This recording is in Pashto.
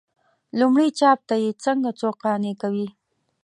لومړي چاپ ته یې څنګه څوک قانع کوي.